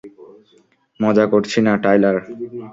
মজা করছি না, টায়লার!